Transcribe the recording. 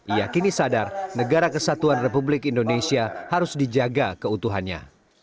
ia kini sadar negara kesatuan republik indonesia harus dijaga keutuhannya